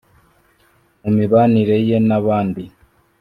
mu mibanire ye n’abandi